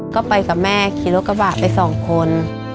ก็ไปกับแม่คิโลกระบาทไป๒คน